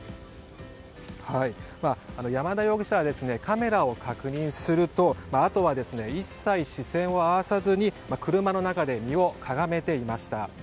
山田容疑者をカメラを確認するとあとは一切視線を合わさず車の中で身をかがめていました。